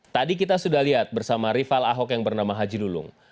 tadi kita sudah lihat bersama rival ahok yang bernama haji lulung